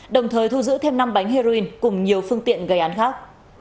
đồng thời thu giữ thêm năm bánh heroin cùng nhiều phương tiện gây án khác